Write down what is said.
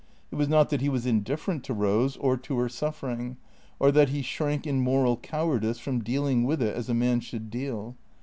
It was not that he was indifferent to Rose or to her suffering, or that he shrank in moral cowardice from dealing with it as a man should deal.